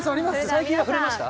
最近は触れました？